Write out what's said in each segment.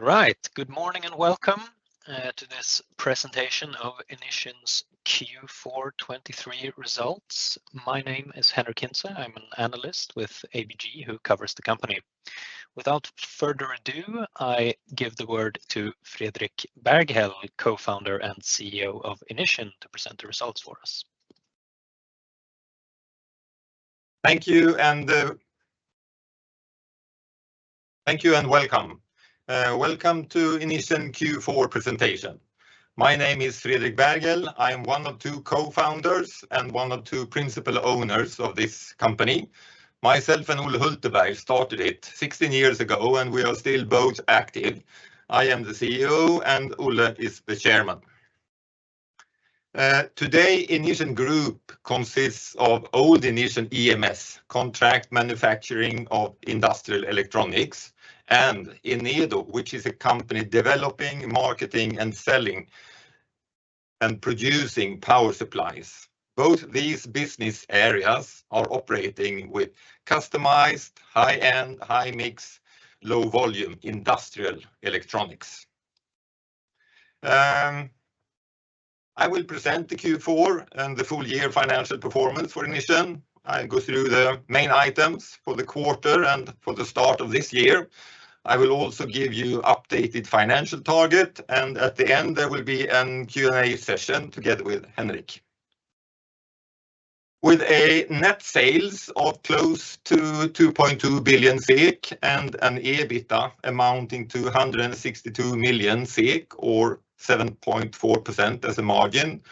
All right. Good morning, and welcome to this presentation of Inission's Q4 2023 results. My name is Henric Hintze. I'm an analyst with ABG, who covers the company. Without further ado, I give the word to Fredrik Berghel, co-founder and CEO of Inission, to present the results for us. Thank you, and thank you and welcome. Welcome to Inission Q4 presentation. My name is Fredrik Berghel. I am one of two Co-Founders and one of two principal owners of this company. Myself and Olle Hulteberg started it 16 years ago, and we are still both active. I am the CEO, and Olle is the Chairman. Today, Inission Group consists of old Inission EMS, contract manufacturing of industrial electronics, and Enedo, which is a company developing, marketing, and selling and producing power supplies. Both these business areas are operating with customized, high-end, high-mix, low-volume industrial electronics. I will present the Q4 and the full year financial performance for Inission. I'll go through the main items for the quarter and for the start of this year. I will also give you updated financial target, and at the end, there will be a Q&A session together with Henric. With net sales of close to 2.2 billion SEK and an EBITDA amounting to 162 million SEK, or 7.4% as a margin,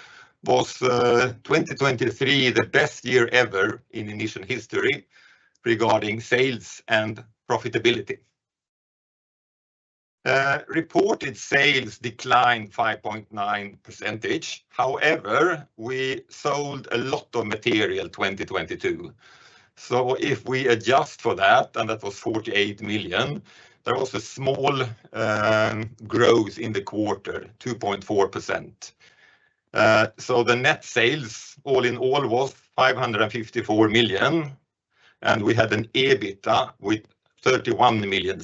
2023 was the best year ever in Inission history regarding sales and profitability. Reported sales declined 5.9%. However, we sold a lot of material in 2022, so if we adjust for that, and that was 48 million, there was a small growth in the quarter, 2.4%. So the net sales, all in all, was 554 million, and we had an EBITDA with 31 million,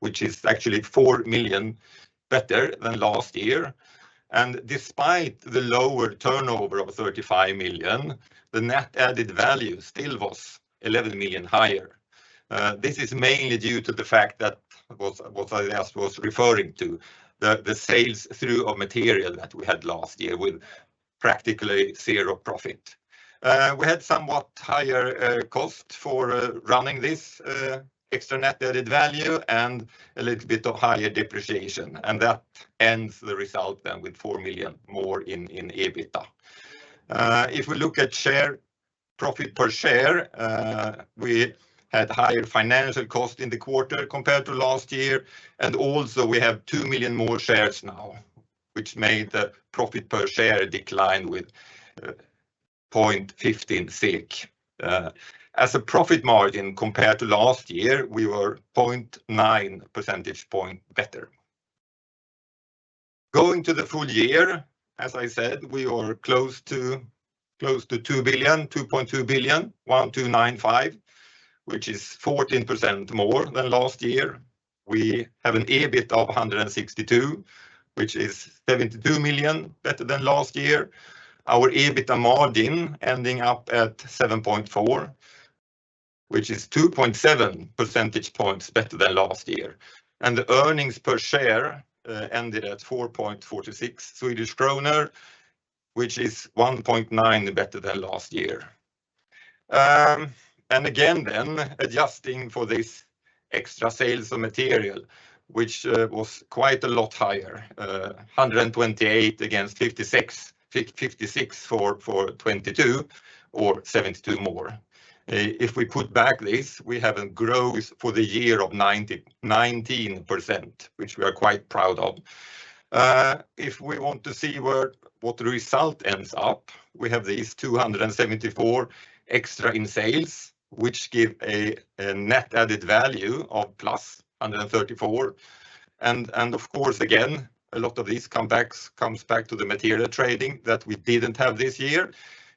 which is actually 4 million better than last year. And despite the lower turnover of 35 million, the net added value still was 11 million higher. This is mainly due to the fact that I just was referring to, the sales through our material that we had last year with practically zero profit. We had somewhat higher cost for running this extra net added value and a little bit of higher depreciation, and that ends the result then with 4 million more in EBITDA. If we look at share, profit per share, we had higher financial cost in the quarter compared to last year, and also, we have 2 million more shares now, which made the profit per share decline with 0.15 SEK. As a profit margin compared to last year, we were 0.9 percentage point better. Going to the full year, as I said, we are close to, close to 2.295 billion, which is 14% more than last year. We have an EBIT of 162 million, which is 72 million better than last year. Our EBITDA margin ending up at 7.4%, which is 2.7 percentage points better than last year, and the earnings per share ended at 4.46 Swedish kronor, which is 1.9 better than last year. Again, then, adjusting for this extra sales of material, which was quite a lot higher, 128 against 56 for 2022, or 72 more. If we put back this, we have a growth for the year of 19%, which we are quite proud of. If we want to see where, what the result ends up, we have these 274 extra in sales, which give a net added value of +134 million. And of course, again, a lot of these comebacks comes back to the material trading that we didn't have this year,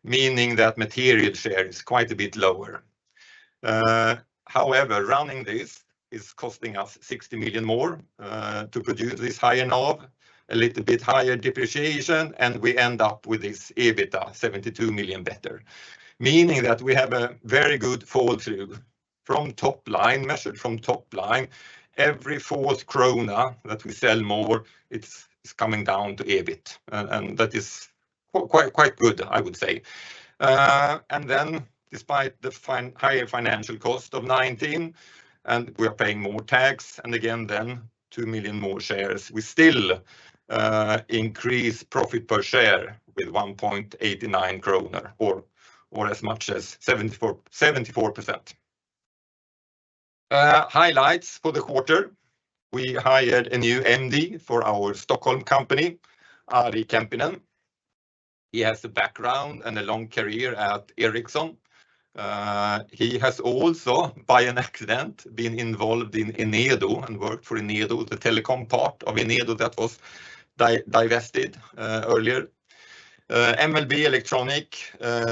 meaning that material share is quite a bit lower. However, running this is costing us 60 million more to produce this higher NAV, a little bit higher depreciation, and we end up with this EBITDA 72 million better, meaning that we have a very good fall through from top line, measured from top line. Every fourth krona that we sell more, it's coming down to EBIT, and that is quite, quite good, I would say. Then, despite the higher financial cost of 19, and we are paying more tax, and again, then 2 million more shares, we still increase profit per share with 1.89 kronor, or as much as 74%. Highlights for the quarter, we hired a new MD for our Stockholm company, Ari Kempinen. He has a background and a long career at Ericsson. He has also, by an accident, been involved in Inission and worked for Inission, the telecom part of Inission that was divested earlier. MLB Electronics,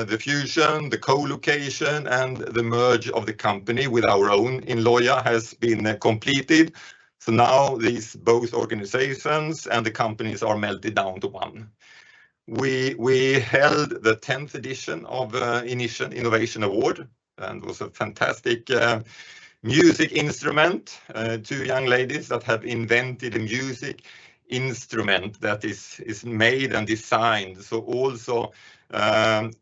the fusion, the co-location, and the merge of the company with our own in Lohja has been completed. Now these both organizations and the companies are melted down to one. We held the tenth edition of Inission Innovation Award, and it was a fantastic music instrument. Two young ladies that have invented a music instrument that is made and designed, so also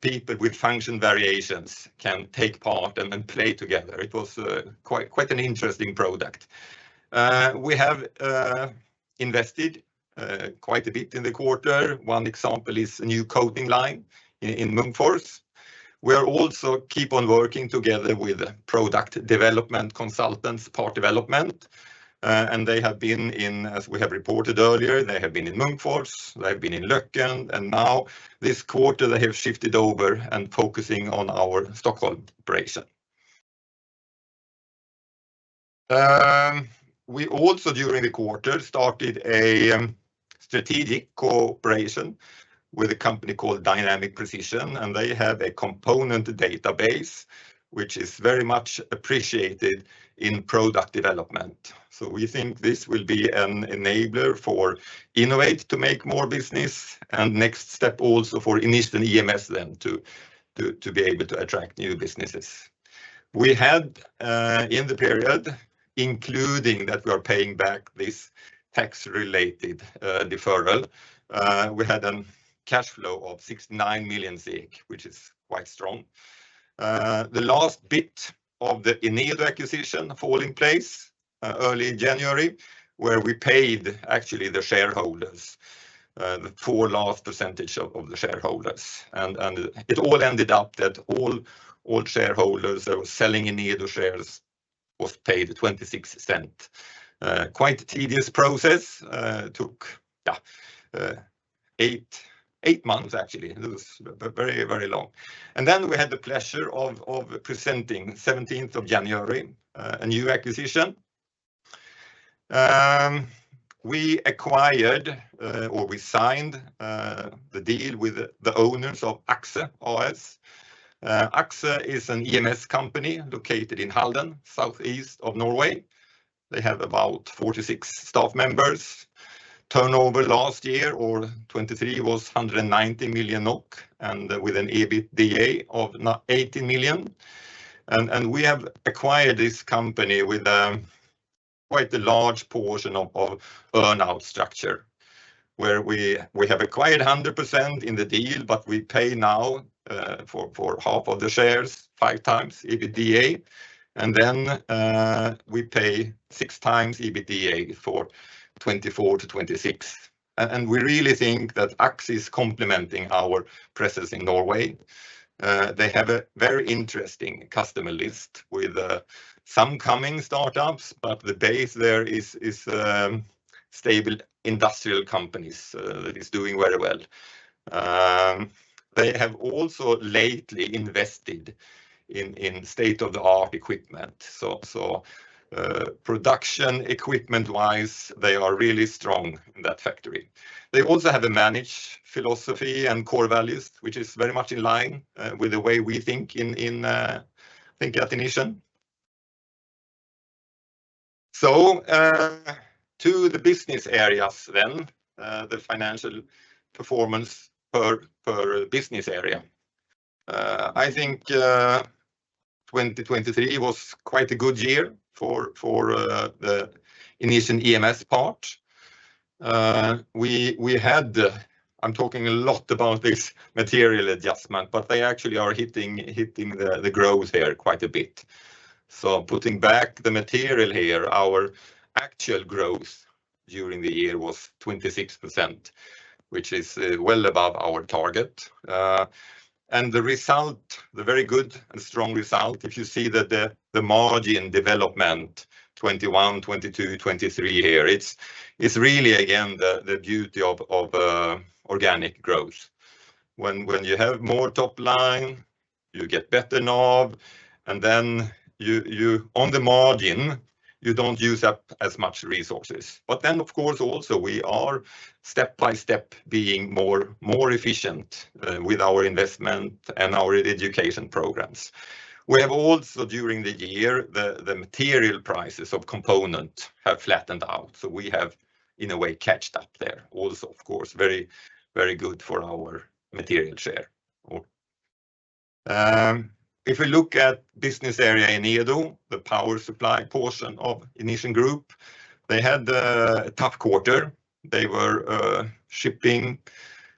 people with function variations can take part and then play together. It was quite an interesting product. We have invested quite a bit in the quarter. One example is a new coating line in Munkfors. We are also keep on working together with product development consultants, Part Development, and they have been in, as we have reported earlier, they have been in Munkfors, they've been in Løkken, and now this quarter they have shifted over and focusing on our Stockholm operation. We also, during the quarter, started a strategic cooperation with a company called Dynamic Precision, and they have a component database, which is very much appreciated in product development. We think this will be an enabler for Innovate to make more business, and next step also for Inission EMS then to be able to attract new businesses. We had, in the period, including that we are paying back this tax-related deferral, we had a cash flow of 69 million, which is quite strong. The last bit of the Enedo acquisition fall in place early January, where we paid actually the shareholders the 4 last percentage of the shareholders. It all ended up that all shareholders that were selling Enedo shares was paid 26%. Quite a tedious process, took, yeah, eight months actually. It was very, very long. Then we had the pleasure of presenting seventeenth of January a new acquisition. We acquired, or we signed, the deal with the owners of Axxe AS. Axxe is an EMS company located in Halden, southeast of Norway. They have about 46 staff members. Turnover last year, or 2023, was 190 million NOK, and with an EBITDA of 80 million. We have acquired this company with quite a large portion of earn-out structure, where we have acquired 100% in the deal, but we pay now for half of the shares, 5x EBITDA, and then we pay 6x EBITDA for 2024-2026. We really think that Axxe is complementing our presence in Norway. They have a very interesting customer list with some coming startups, but the base there is stable industrial companies that is doing very well. They have also lately invested in state-of-the-art equipment. Production, equipment-wise, they are really strong in that factory. They also have a management philosophy and core values, which is very much in line with the way we think at Inission. To the business areas then, the financial performance per business area. I think 2023 was quite a good year for the Inission EMS part. We had, I'm talking a lot about this material adjustment, but they actually are hitting the growth here quite a bit. Putting back the material here, our actual growth during the year was 26%, which is well above our target. The result, the very good and strong result, if you see the margin development, 2021, 2022, 2023 here, it's really again the beauty of organic growth. When you have more top line, you get better NAV, and then you, on the margin, you don't use up as much resources. Then, of course, also we are step by step being more efficient with our investment and our education programs. We have also, during the year, the material prices of components have flattened out. We have, in a way, caught up there. Also, of course, very, very good for our material share. If we look at business area Enedo, the power supply portion of Inission Group, they had a tough quarter. They were shipping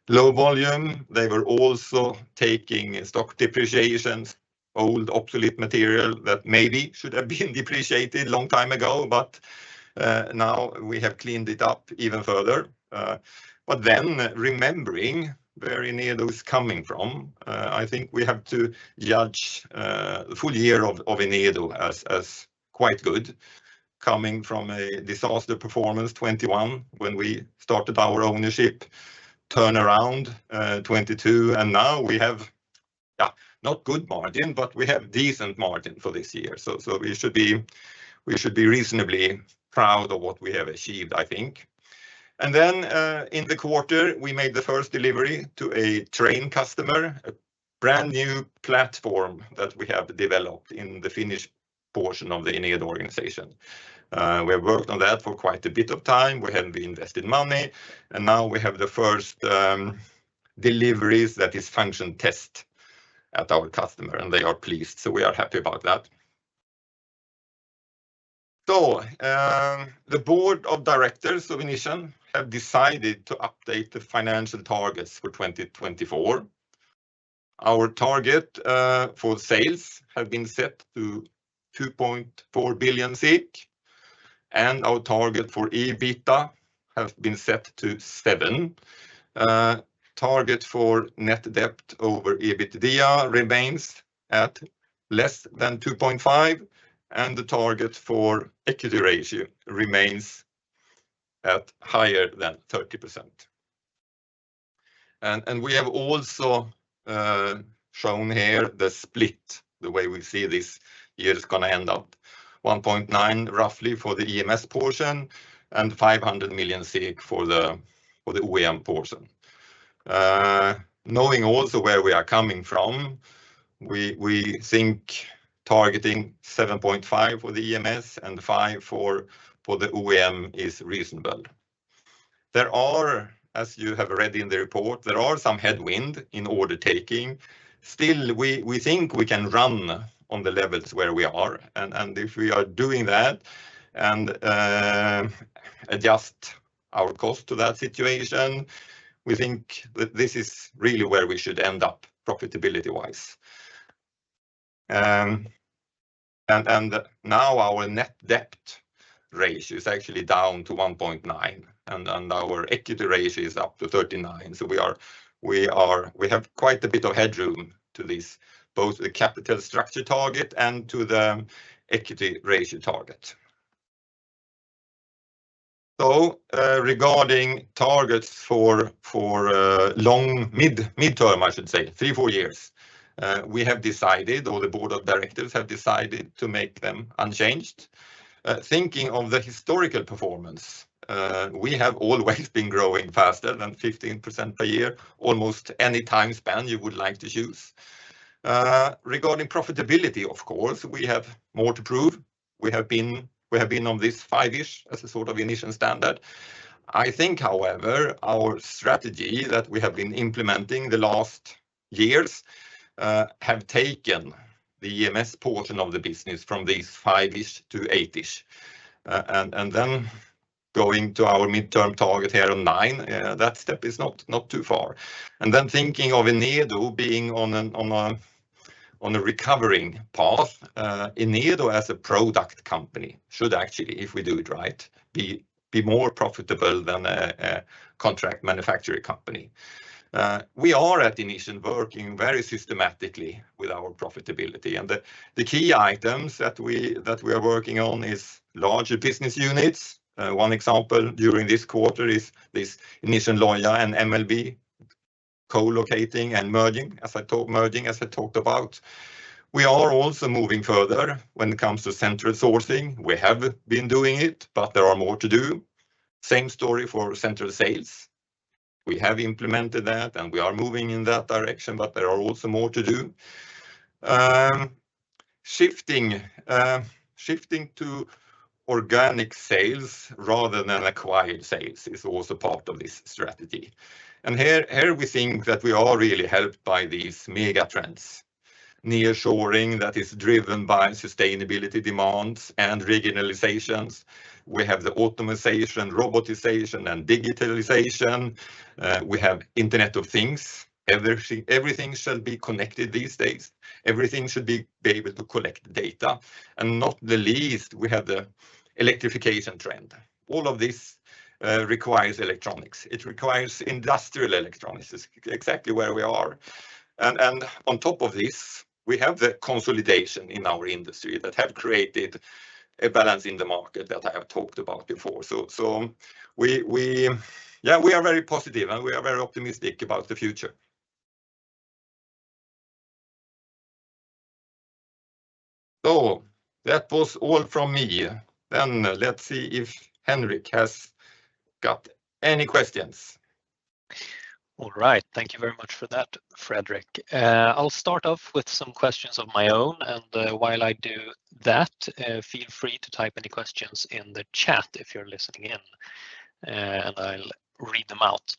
low volume. They were also taking stock depreciations, old, obsolete material that maybe should have been depreciated long time ago, but now we have cleaned it up even further. Then remembering where Enedo is coming from, I think we have to judge the full year of Enedo as quite good, coming from a disaster performance 2021, when we started our ownership turnaround, 2022, and now we have. Yeah, not good margin, but we have decent margin for this year. We should be reasonably proud of what we have achieved, I think. In the quarter, we made the first delivery to a train customer, a brand new platform that we have developed in the Finnish portion of the Inission organization. We have worked on that for quite a bit of time. We have invested money, and now we have the first deliveries that are function tested at our customer, and they are pleased, so we are happy about that. The board of directors of Inission have decided to update the financial targets for 2024. Our target for sales have been set to 2.4 billion, and our target for EBITDA have been set to 7%. Target for net debt over EBITDA remains at less than 2.5, and the target for equity ratio remains at higher than 30%. We have also shown here the split, the way we see this year is gonna end up 1.9, roughly, for the EMS portion, and 500 million for the OEM portion. Knowing also where we are coming from, we think targeting 7.5 for the EMS and 5 for the OEM is reasonable. There are, as you have read in the report, some headwind in order taking. Still, we think we can run on the levels where we are, and if we are doing that, adjust our cost to that situation, we think that this is really where we should end up profitability-wise. Now our net debt ratio is actually down to 1.9, and our equity ratio is up to 39%. We have quite a bit of headroom to this, both the capital structure target and to the equity ratio target. Regarding targets for long, midterm, I should say, 3years-4 years, we have decided, or the Board of Directors have decided to make them unchanged. Thinking of the historical performance, we have always been growing faster than 15% per year, almost any time span you would like to choose. Regarding profitability, of course, we have more to prove. We have been on this 5-ish as a sort of Inission standard. I think, however, our strategy that we have been implementing the last years have taken the EMS portion of the business from these 5-ish-8-ish. then going to our midterm target here on nine, that step is not too far. Then thinking of Enedo being on a recovering path, Enedo as a product company should actually, if we do it right, be more profitable than a contract manufacturing company. We are at Inission working very systematically with our profitability, and the key items that we are working on is larger business units. One example during this quarter is this Inission Lohja and MLB co-locating and merging, as I talked about. We are also moving further when it comes to central sourcing. We have been doing it, but there are more to do. Same story for central sales. We have implemented that, and we are moving in that direction, but there are also more to do. Shifting, shifting to organic sales rather than acquired sales is also part of this strategy. Here, here we think that we are really helped by these mega trends. Nearshoring that is driven by sustainability demands and regionalizations. We have the automation, robotization, and digitalization. We have Internet of Things. Everything should be connected these days. Everything should be able to collect data, and not the least, we have the electrification trend. All of this requires electronics. It requires industrial electronics. It's exactly where we are. On top of this, we have the consolidation in our industry that have created a balance in the market that I have talked about before. We are very positive, and we are very optimistic about the future. That was all from me. Then let's see if Henric has got any questions. All right. Thank you very much for that, Fredrik. I'll start off with some questions of my own, and, while I do that, feel free to type any questions in the chat if you're listening in, and I'll read them out.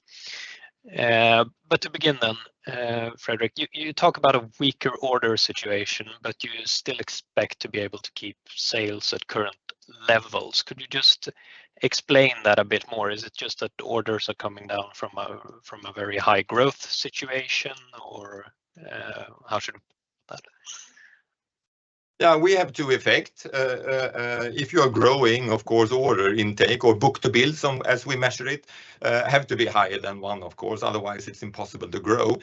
To begin then, Fredrik, you talk about a weaker order situation, but you still expect to be able to keep sales at current levels. Could you just explain that a bit more? Is it just that orders are coming down from a very high growth situation, or, how should I put that? Yeah, we have two effects. If you are growing, of course, order intake or book-to-bill, as we measure it, have to be higher than one, of course, otherwise it's impossible to grow.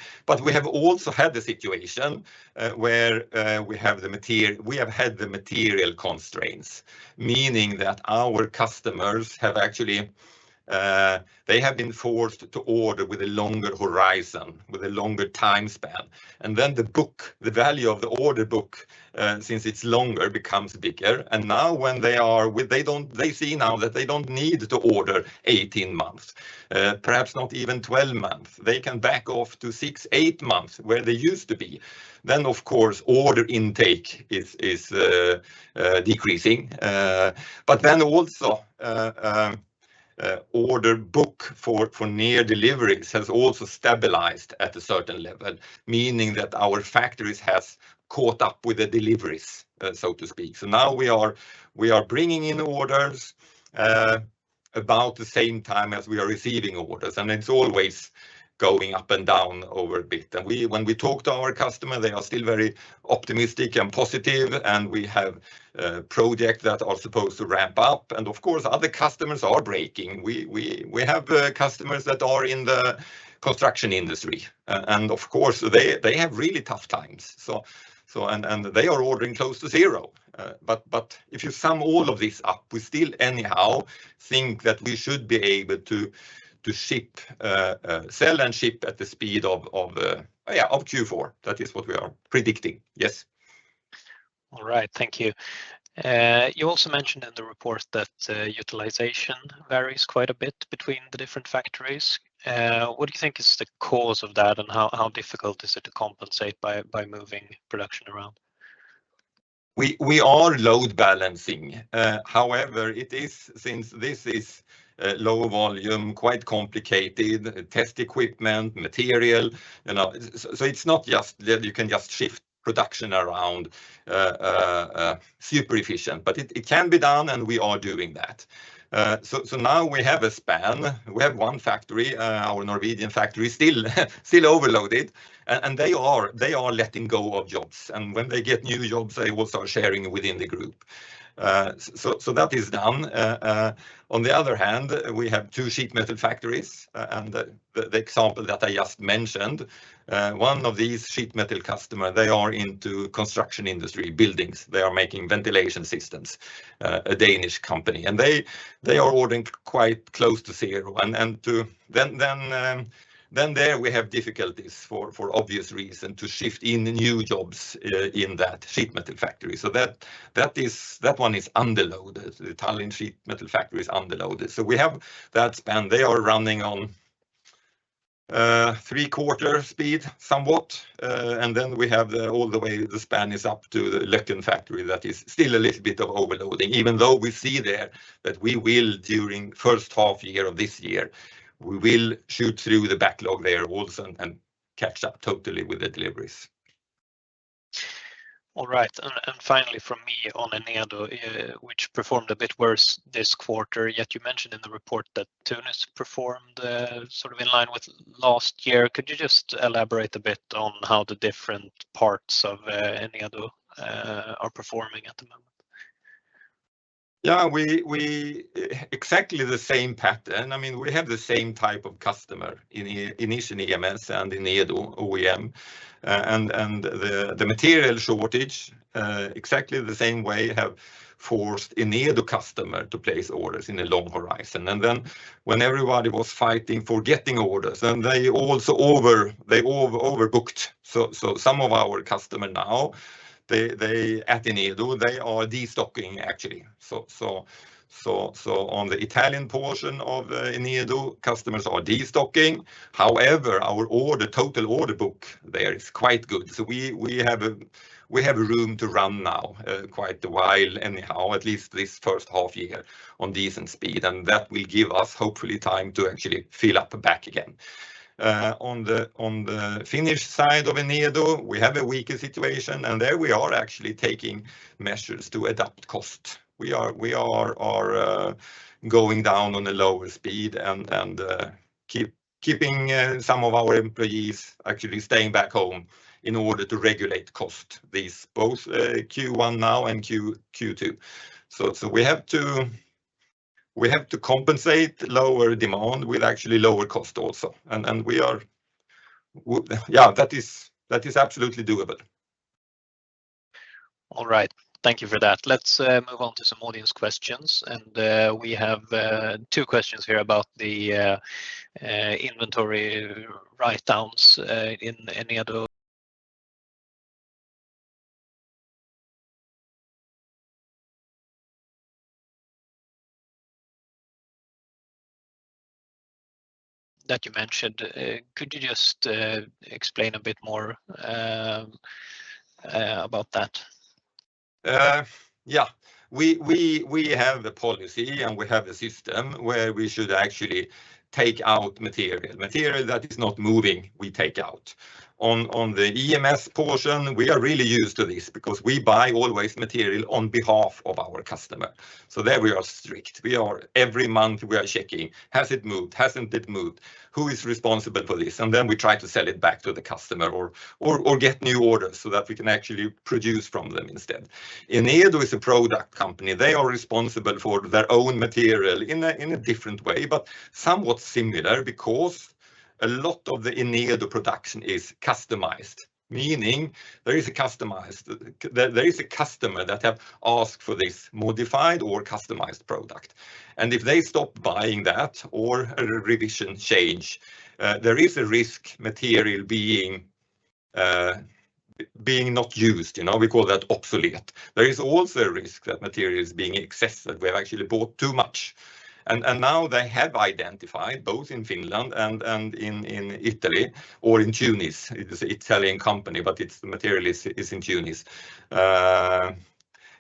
We have also had a situation where we have had the material constraints, meaning that our customers have actually been forced to order with a longer horizon, with a longer time span. Then the book, the value of the order book, since it's longer, becomes bigger. Now when they are, they don't. They see now that they don't need to order 18 months perhaps not even 12 months. They can back off to 6 months-8 months where they used to be. Then, of course, order intake is decreasing. Then also, order book for near deliveries has also stabilized at a certain level, meaning that our factories has caught up with the deliveries, so to speak. Now we are bringing in orders about the same time as we are receiving orders, and it's always going up and down a bit. When we talk to our customer, they are still very optimistic and positive, and we have project that are supposed to ramp up, and of course, other customers are breaking. We have customers that are in the construction industry, and of course, they have really tough times, and they are ordering close to zero. If you sum all of this up, we still anyhow think that we should be able to ship, sell and ship at the speed of Q4. That is what we are predicting. Yes. All right, thank you. You also mentioned in the report that utilization varies quite a bit between the different factories. What do you think is the cause of that, and how difficult is it to compensate by moving production around? We are load balancing. However, since this is low volume, quite complicated test equipment, material, you know, so it's not just that you can just shift production around super efficient, but it can be done, and we are doing that. Now we have a span. We have one factory, our Norwegian factory, still overloaded, and they are letting go of jobs, and when they get new jobs, they will start sharing within the group. That is done. On the other hand, we have two sheet metal factories, and the example that I just mentioned, one of these sheet metal customer, they are into construction industry, buildings. They are making ventilation systems, a Danish company, and they are ordering quite close to zero. There we have difficulties, for obvious reason, to shift in new jobs in that sheet metal factory. That is, that one is underloaded. The Tallinn sheet metal factory is underloaded. We have that span. They are running on three-quarter speed, somewhat. Then we have all the way the span is up to the Løkken factory, that is still a little bit of overloading, even though we see there that we will, during first half year of this year, we will shoot through the backlog there also and catch up totally with the deliveries. All right. Finally from me on Enedo, which performed a bit worse this quarter, yet you mentioned in the report that Tunisia performed, sort of in line with last year. Could you just elaborate a bit on how the different parts of Enedo are performing at the moment? Yeah, exactly the same pattern. I mean, we have the same type of customer in Inission EMS and Enedo OEM. The material shortage exactly the same way have forced Enedo customer to place orders in a long horizon. Then when everybody was fighting for getting orders, then they also overbooked. Some of our customer now at Enedo they are de-stocking actually. On the Italian portion of Enedo, customers are de-stocking. However, our total order book there is quite good. We have a room to run now quite a while anyhow, at least this first half year, on decent speed, and that will give us, hopefully, time to actually fill up the backlog again. On the Finnish side of Enedo, we have a weaker situation, and there we are actually taking measures to adapt cost. We are going down on a lower speed and keeping some of our employees actually staying back home in order to regulate cost, this both Q1 now and Q2. We have to compensate lower demand with actually lower cost also, and we are. Yeah, that is absolutely doable. All right. Thank you for that. Let's move on to some audience questions, and we have two questions here about the inventory write-downs in Enedo that you mentioned. Could you just explain a bit more about that? Yeah. We have the policy, and we have the system, where we should actually take out material. Material that is not moving, we take out. On the EMS portion, we are really used to this because we buy always material on behalf of our customer, so there we are strict. We are every month checking, has it moved? Hasn't it moved? Who is responsible for this? Then we try to sell it back to the customer or get new orders so that we can actually produce from them instead. Enedo is a product company. They are responsible for their own material in a different way, but somewhat similar because a lot of the Enedo production is customized, meaning there is a customer that have asked for this modified or customized product. If they stop buying that or a revision change, there is a risk material being not used, you know? We call that obsolete. There is also a risk that material is being excess, that we have actually bought too much. Now they have identified, both in Finland and in Italy or in Tunis, it is Italian company, but it's the material is in Tunis.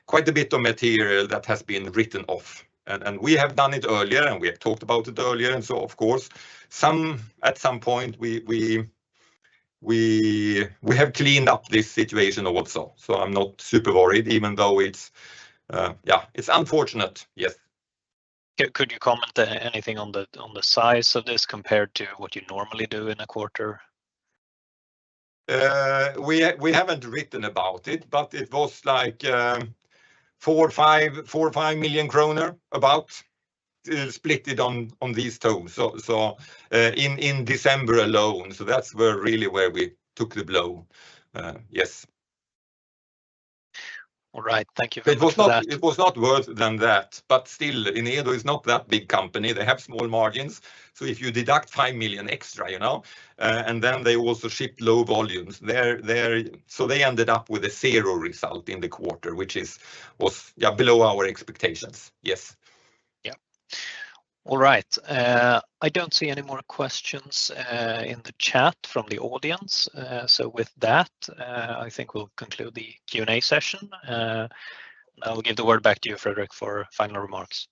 Quite a bit of material that has been written off, and we have done it earlier, and we have talked about it earlier, and so of course, at some point, we have cleaned up this situation also. I'm not super worried, even though it's, yeah, it's unfortunate, yes. Could you comment anything on the, on the size of this compared to what you normally do in a quarter? We haven't written about it, but it was like 4 million or 5 million kronor, about split on these terms. In December alone, that's where we really took the blow. Yes. All right. Thank you very much for that. It was not, it was not worse than that, but still, Inission is not that big company. They have small margins, so if you deduct 5 million extra, you know, and then they also ship low volumes. They ended up with a zero result in the quarter, which was, yeah, below our expectations. Yes. Yeah. All right. I don't see any more questions in the chat from the audience. With that, I think we'll conclude the Q&A session. I will give the word back to you, Fredrik, for final remarks.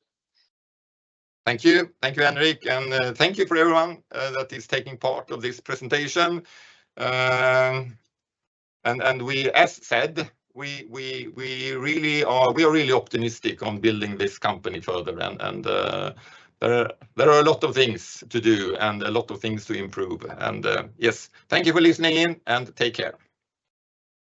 Thank you. Thank you, Henric, and thank you for everyone that is taking part of this presentation. As said, we are really optimistic on building this company further and there are a lot of things to do and a lot of things to improve. Yes, thank you for listening in and take care.